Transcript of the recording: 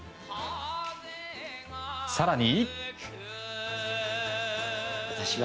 更に。